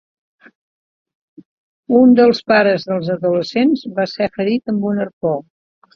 Un dels pares dels adolescents va ser ferit amb un arpó.